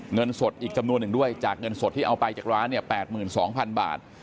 เงินสดอีกจำนวนหนึ่งด้วยจากเงินสดที่เอาไปจากร้านเนี่ย๘๒๐๐๐บาท